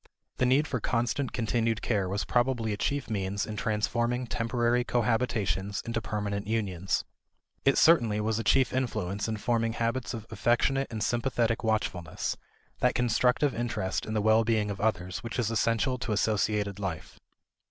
The need for constant continued care was probably a chief means in transforming temporary cohabitations into permanent unions. It certainly was a chief influence in forming habits of affectionate and sympathetic watchfulness; that constructive interest in the well being of others which is essential to associated life.